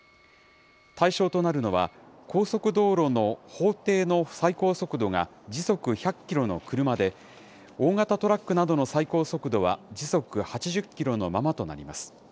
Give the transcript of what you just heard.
対象となるのは、高速道路の法定の最高速度が、時速１００キロの車で、大型トラックなどの最高速度は時速８０キロのままとなります。